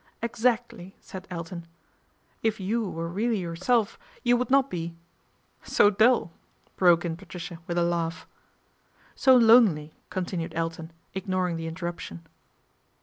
" Exactly," said Elton. " If you were really yourself you would not be "" So dull," broke in Patricia with a laugh. " So lonely," continued Elton, ignoring the interruption.